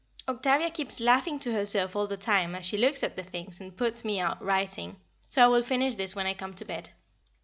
Octavia keeps laughing to herself all the time, as she looks at the things, and it puts me out writing, so I will finish this when I come to bed.